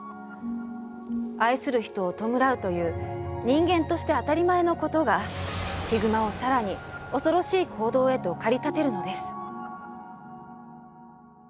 人間として当たり前のことがヒグマを更に恐ろしい行動へと駆り立てるのです。